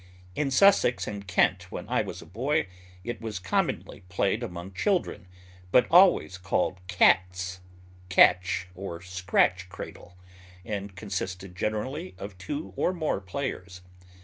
In Sussex and Kent, when I was a boy, it was commonly played among children, but always called cat's, catch, or scratch cradle, and consisted generally of two or more players.